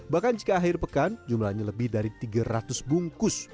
bahkan jika akhir pekan jumlahnya lebih dari tiga ratus bungkus